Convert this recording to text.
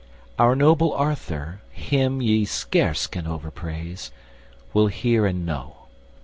Our noble Arthur, him Ye scarce can overpraise, will hear and know.